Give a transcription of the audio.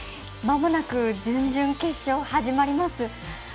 まもなく準々決勝が始まります。